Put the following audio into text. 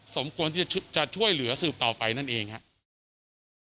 สมควรที่จะช่วยเหลือสืบต่อไปนั่นเองครับ